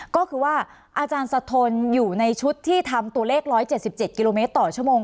ก็คือว่าอาจารย์สะทนอยู่ในชุดที่ทำตัวเลข๑๗๗กิโลเมตรต่อชั่วโมง